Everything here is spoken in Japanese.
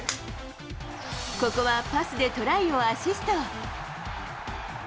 ここはパスでトライをアシスト。